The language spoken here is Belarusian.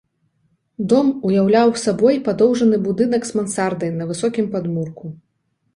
Дом уяўляў сабой падоўжаны будынак з мансардай на высокім падмурку.